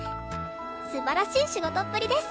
素晴らしい仕事っぷりです！